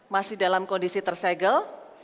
masih dalam kondisi tersegel